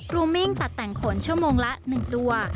รูมมิ่งตัดแต่งขนชั่วโมงละ๑ตัว